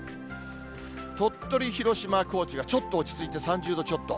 鳥取、広島、高知がちょっと落ち着いて３０度ちょっと。